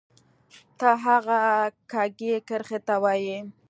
تا هغه کږې کرښې ته وایې